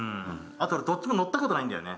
あとどっちも乗ったことないんだよね。